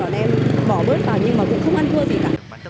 rồi em bỏ bớt vào nhưng mà cũng không ăn thua gì cả